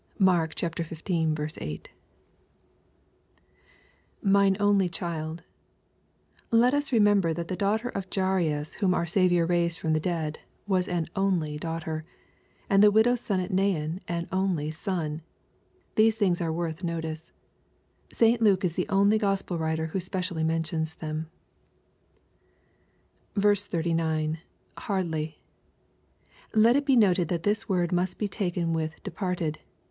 (Mark xv. 8.) [Mme <mly ckUdJ] Let us remember that the daughter of Jairus, whom our Saviour raised &om the dead, was an only daughter, and the widow's son at Nain an onh/ son. These things are worth notice. St Luke is the only Gospel writer who specially mentions them. 39. — [Hardly.] Let it be noted that this word must be taken with " departed."